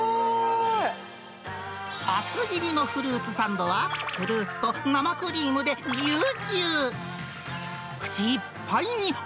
厚切りのフルーツサンドはフルーツと生クリームでぎゅうぎゅう。